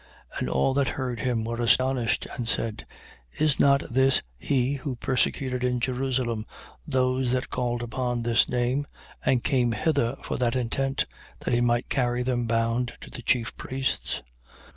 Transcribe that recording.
9:21. And all that heard him were astonished and said: Is not this he who persecuted in Jerusalem those that called upon this name and came hither for that intent, that he might carry them bound to the chief priests?